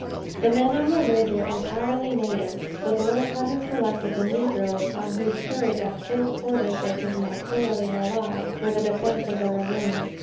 The men on the ridge were entirely natives, the boys having selected the negroes, on whose courage at close quarters they could more thoroughly rely, for the defense of the ravine.